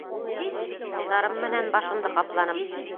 Ҡулдарым менән башымды ҡапланым.